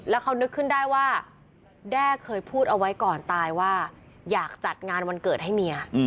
แล้วเขานึกขึ้นได้ว่าแด้เคยพูดเอาไว้ก่อนตายว่าอยากจัดงานวันเกิดให้เมีย